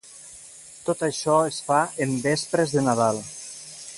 Tot això es fa en vespres de Nadal.